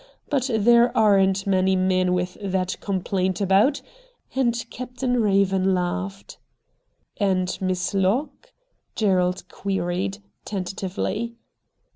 But there aren't many men with that complaint about,' and Captain Eaven laughed. ' And Miss Locke,' Gerald queried, tenta tively.